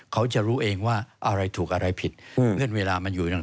เขาจะรู้เองว่าอะไรถูกอะไรผิดเงื่อนเวลามันอยู่นั่น